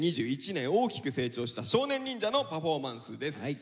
２０２１年大きく成長した少年忍者のパフォーマンスです。